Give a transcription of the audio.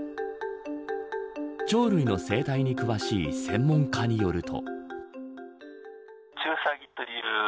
鳥類の生態に詳しい専門家によると。